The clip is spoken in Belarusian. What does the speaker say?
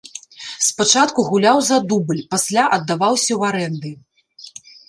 Спачатку гуляў за дубль, пасля аддаваўся ў арэнды.